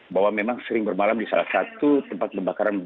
bahwa memang sering bermalam di salah satu tempat pembakaran